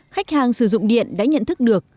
khách hàng sử dụng điện đã nhận thức được